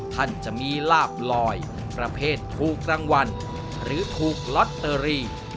ท่านจะมีลาบลอยประเภทถูกรางวัลหรือถูกลอตเตอรี่